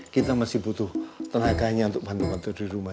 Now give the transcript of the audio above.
kita masih butuh tenaganya untuk bantu bantu di rumah